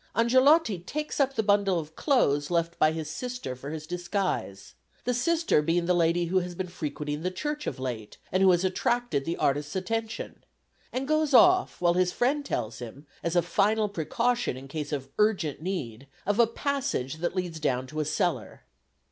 Angelotti takes up the bundle of clothes left by his sister for his disguise the sister being the lady who has been frequenting the church of late, and who has attracted the artist's attention and goes off, while his friend tells him, as a final precaution in case of urgent need, of a passage that leads down to a cellar.